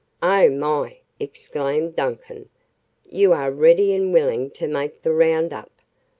"Oh, my!" exclaimed Duncan. "You are ready and willing to make the 'round up.'